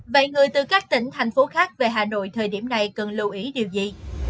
vậy người từ các tỉnh thành phố khác về hà nội thời điểm này cần lưu ý điều gì